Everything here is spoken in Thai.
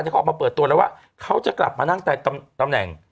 เขาออกมาเปิดตัวแล้วว่าเขาจะกลับมานั่งแต่ตำแหน่ง